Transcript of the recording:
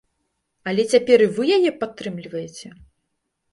Але цяпер і вы яе падтрымліваеце!